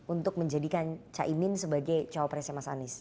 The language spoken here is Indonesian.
untuk menjadikan caimin sebagai cowok presnya mas anies